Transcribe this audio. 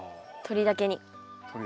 鳥だけに。